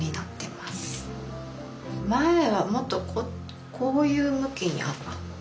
前はもっとこういう向きにあった。